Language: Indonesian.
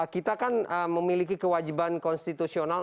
kita kan memiliki kewajiban konstitusional